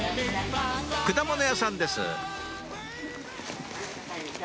果物屋さんです